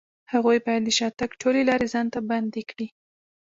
هغوی بايد د شاته تګ ټولې لارې ځان ته بندې کړي.